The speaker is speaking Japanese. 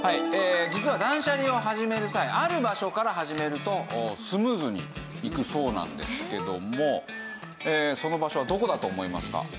実は断捨離を始める際ある場所から始めるとスムーズにいくそうなんですけどもその場所はどこだと思いますか？